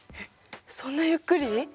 そんなゆっくり？